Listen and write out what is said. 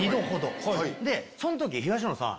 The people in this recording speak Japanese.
その時東野さん